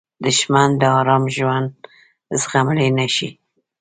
دښمن د آرام ژوند زغملی نه شي